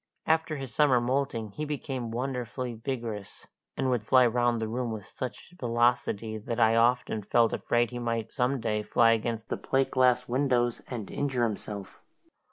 After his summer moulting he became wonderfully vigorous, and would fly round the room with such velocity that I often felt afraid he might some day fly against the plate glass windows and injure himself.